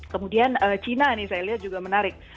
kemudian china nih saya lihat juga menarik